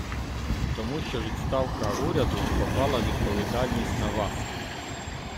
Тому що відставка Уряду поклала відповідальність на Вас.